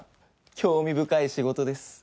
興味深い仕事です。